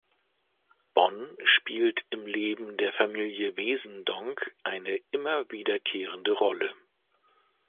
Bonn spielt im Leben der Familie Wesendonck eine immer wiederkehrende Rolle.